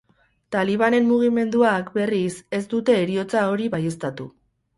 Talibanen mugimenduak, berriz, ez dute heriotza hori baieztatu.